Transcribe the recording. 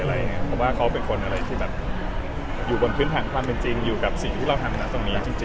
เพราะว่าเขาเป็นคนที่อยู่กับพิพิธีหรืออยู่กับสิ่งที่เราทำด้วย